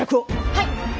はい！